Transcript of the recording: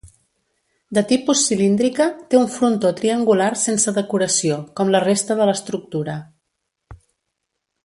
De tipus cilíndrica, té un frontó triangular sense decoració, com la resta de l'estructura.